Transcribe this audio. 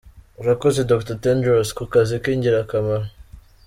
Urakoze Dr Tedros ku kazi k’ingirakamaro.